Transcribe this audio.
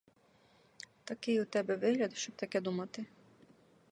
Такий у тебе вигляд, щоб таке думати.